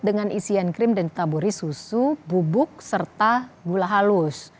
dengan isian krim dan ditaburi susu bubuk serta gula halus